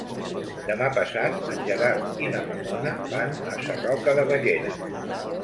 Demà passat en Gerard i na Ramona van a Sarroca de Bellera.